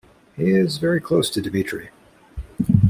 He is very close to Dmitri.